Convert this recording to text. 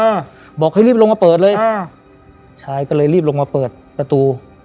บอกให้รีบลงมาเปิดเลยอ่าชายก็เลยรีบลงมาเปิดประตู